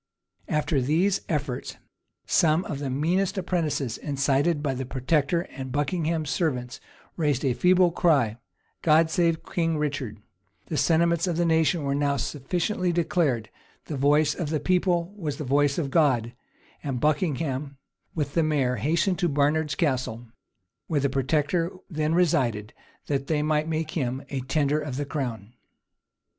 After all these efforts, some of the meanest apprentices, incited by the protector's and Buckingham's servants, raised a feeble cry, "God save King Richard:" [*] the sentiments of the nation were now sufficiently declared: the voice of the people was the voice of God: and Buckingham, with the mayor, hastened to Baynard's Castle, where the protector then resided, that they might make him a tender of the crown.